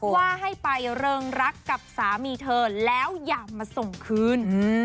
ว่าให้ไปเริงรักกับสามีเธอแล้วอย่ามาส่งคืน